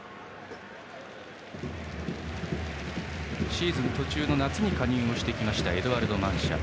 シーズン途中の夏に加入してきたエドゥアルド・マンシャ。